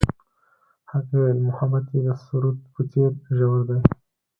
هغې وویل محبت یې د سرود په څېر ژور دی.